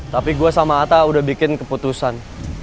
tapi gue sama atta udah bikin keputusan